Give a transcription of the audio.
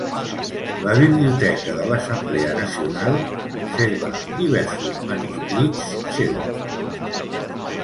La biblioteca de l'Assemblea Nacional conserva diversos manuscrits seus.